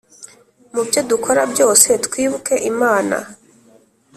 Mu byo dukora byose twibuke imana